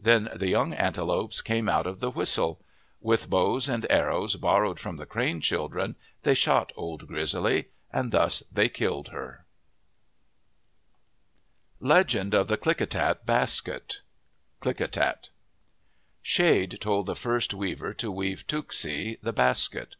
Then the young antelopes came out of the whistle. With bows and arrows borrowed from the Crane children, they shot Old Grizzly. Thus they killed her. 140 OF THE PACIFIC NORTHWEST LEGEND OF THE KLICKITAT BASKET Klickitat SHADE told the first weaver to weave tooksi, the basket.